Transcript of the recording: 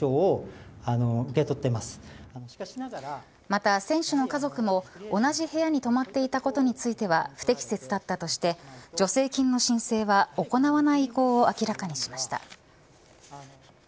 また、選手の家族も同じ部屋に泊まっていたことについては不適切だったとして助成金の申請は行わない意向を明らかにしました。